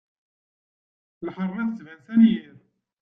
Lḥeṛma tettban s anyir.